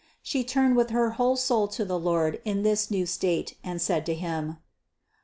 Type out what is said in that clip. She turned with her whole soul to the Lord in this new state and said to Him : 680.